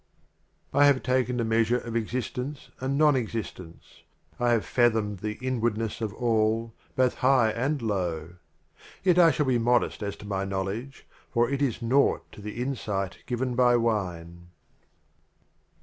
68 LVI. I have taken the Measure of Exist ™* Literal ence and Non Existence ; I have fathomed the Inwardness of All, both High and Low; Yet I shall be modest as to my Knowledge, For it is naught to the Insight given by Wine.